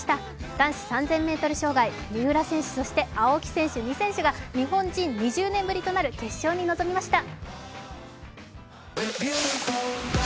男子３０００ｍ障害、三浦選手、そして青木選手、２選手が日本人２０年ぶりとなる決勝に臨みました。